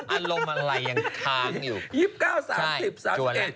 อารมณ์อะไรยังค้างอยู่